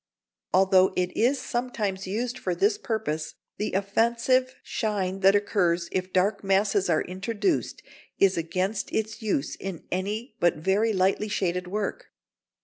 Although it is sometimes used for this purpose, the offensive shine that occurs if dark masses are introduced is against its use in any but very lightly shaded work.